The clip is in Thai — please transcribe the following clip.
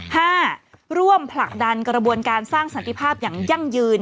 ร่วมผลักดันกระบวนการสร้างสันติภาพอย่างยั่งยืน